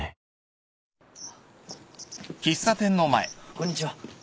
こんにちは。